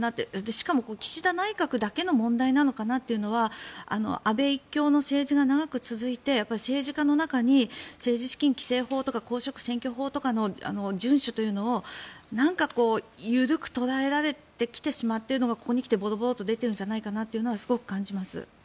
しかも、岸田内閣だけの問題なのかなというのは安倍一強の政治が長く続いて政治家の中に政治資金規正法とか公職選挙法とかの順守というのを緩く捉えられてきてしまっているのがここに来てボロボロと出てきているんじゃないかなとすごく感じます。